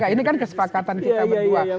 ini kan kesepakatan kita berdua